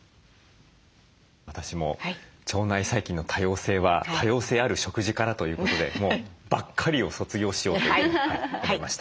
私も腸内細菌の多様性は多様性ある食事からということでもう「ばっかり」を卒業しようと思いました。